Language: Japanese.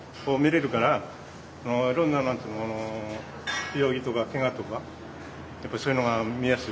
いろんな病気とかケガとかそういうのが見やすい。